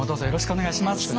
よろしくお願いします。